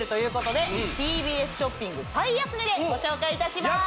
ＴＢＳショッピング最安値でご紹介いたします